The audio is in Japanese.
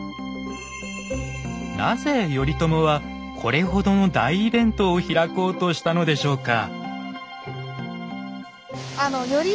なぜ頼朝はこれほどの大イベントを開こうとしたのでしょうか。